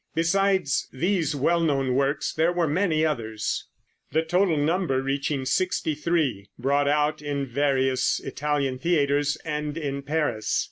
Besides these well known works there were many others, the total number reaching sixty three, brought out in various Italian theaters and in Paris.